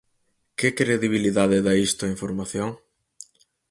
Que credibilidade da isto á información?